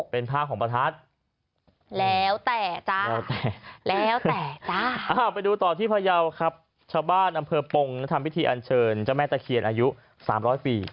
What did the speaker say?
เป็นผ้าของประทัดแล้วแต่จ้าแล้วแต่แล้วแต่จ้าไปดูต่อที่พยาวครับชาวบ้านอำเภอปงทำพิธีอันเชิญเจ้าแม่ตะเคียนอายุ๓๐๐ปี